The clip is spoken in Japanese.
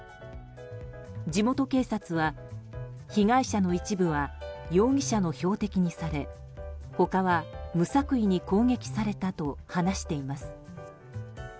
地元警察は、被害者の一部は容疑者の標的にされ他は無作為に攻撃されたと話しています。